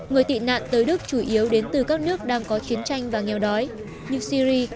người tị nạn tới đức chủ yếu đến từ các nước đang có chiến tranh và nghèo đói như syri